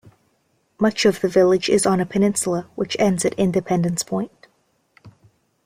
Much of the village is on a peninsula, which ends at Independence Point.